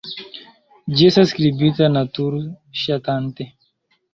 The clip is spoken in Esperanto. Ĝi estas skribita natur-ŝatante.